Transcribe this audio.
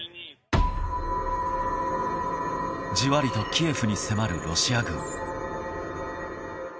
じわりとキエフに迫るロシア軍。